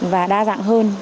và đa dạng hơn